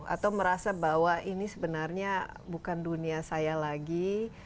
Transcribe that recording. atau merasa bahwa ini sebenarnya bukan dunia saya lagi